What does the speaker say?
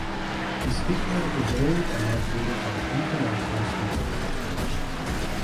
The speedway is owned and operated by International Speedway Corporation.